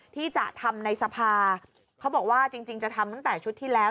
ที่จะทำในสภาเขาบอกว่าจริงจะทำตั้งแต่ชุดที่แล้ว